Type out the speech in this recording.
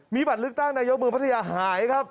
มีบัตรเลือกตั้งนายกเมืองพัทยาหายครับ